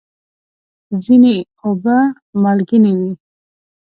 ځینې اوبه مالګینې وي.